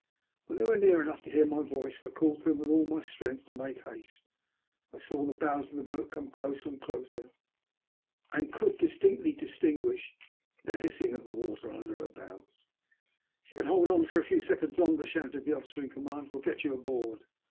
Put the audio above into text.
When they were near enough to hear my voice I called to them with all my strength to make haste. I saw the bows of the boat come closer and closer, and could distinctly distinguish the hissing of the water under her bows. "If you can hold on for a few seconds longer," shouted the oflScer in command, ''we'll get you aboard."